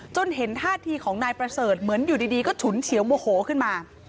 เห็นท่าทีของนายประเสริฐเหมือนอยู่ดีก็ฉุนเฉียวโมโหขึ้นมา